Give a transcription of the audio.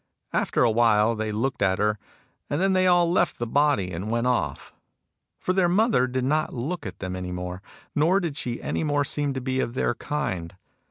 After a while they looked at her, and then they all left the body and went off. For their mother did not look at them any more, nor did she any more seem to be of their kind.